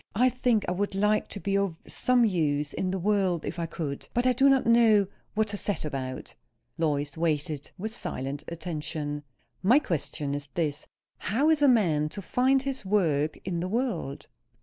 I think I would like to be of some use in the world, if I could. But I do not know what to set about." Lois waited, with silent attention. "My question is this: How is a man to find his work in the world?"